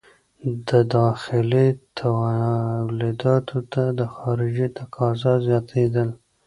له داخلي تولیداتو ته د خارجې تقاضا زیاتېدل.